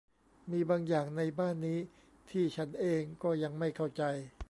มีบางอย่างในบ้านนี้ที่ฉันเองก็ยังไม่เข้าใจ